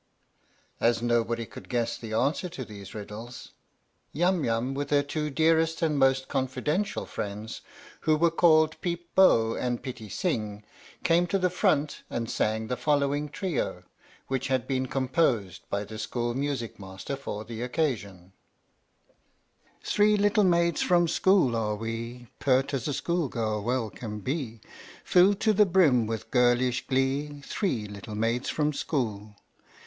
As nobody could guess the answer to these riddles, 34 THE STORY OF THE MIKADO Yum Yum, with her two dearest and most con fidential friends (who were called Peep JBo and Pitti Sing), came to the front and sang the following trio, which had been composed by the school music master for the occasion : Three little maids from school are we, Pert as a school girl well can be, Filled to the brim with girlish glee; Three little maids from school!